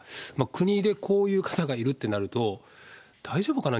国でこういう方がいるってなると、大丈夫かな？